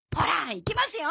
行きますよ！